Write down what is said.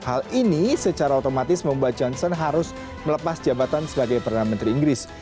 hal ini secara otomatis membuat johnson harus melepas jabatan sebagai perdana menteri inggris